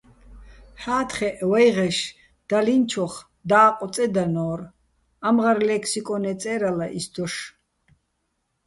ჰ̦ა́თხეჸ ვაჲღეშ დალინჩოხ და́ყო̆ წედანო́რ, ამღარ ლე́ქსიკო́ნე წე́რალა ის დოშ.